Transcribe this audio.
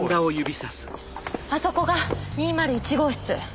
あそこが２０１号室。